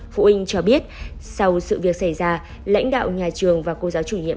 phụ huynh cho biết sau sự việc xảy ra lãnh đạo nhà trường và cô giáo chủ nhiệm